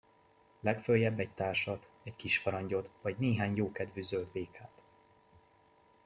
Legföljebb egy társat, egy kisvarangyot, vagy néhány jókedvű zöld békát.